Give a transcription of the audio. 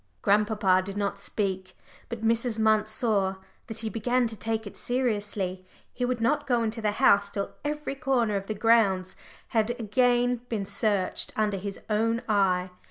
Grandpapa did not speak, but Mrs. Munt saw that he began to take it seriously. He would not go into the house till every corner of the grounds had again been searched under his own eye.